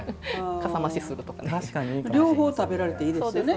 両方食べられていいですね。